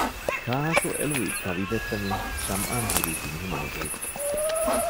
ކާކު އެޅުވި ތަވިދެއްތަ މިއީ ޝަމްއާން ހުރީ ހިތްހަމަ ނުޖެހިފަ